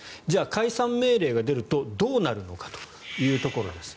解散命令が出るとどうなるのかというところです。